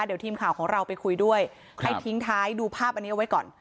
เดี๋ยวทีมข่าวของเราไปคุยด้วยให้ทิ้งท้ายดูภาพอันนี้เอาไว้ก่อน